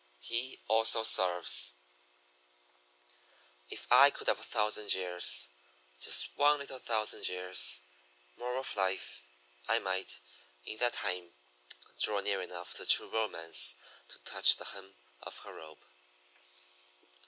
HE ALSO SERVES If I could have a thousand years just one little thousand years more of life, I might, in that time, draw near enough to true Romance to touch the hem of her robe.